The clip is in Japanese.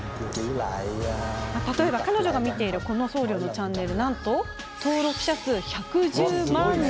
例えば、彼女が見ているこの僧侶のチャンネルはなんと登録者数１１０万人。